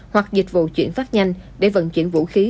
hoặc dịch vụ chuyển phát nhanh để vận chuyển vũ khí